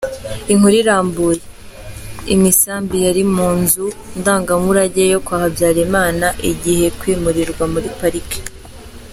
Inkuru irambuye:Imisambi yari mu nzu ndagamurage yo kwa Habyarimana igiye kwimurirwa muri Parike.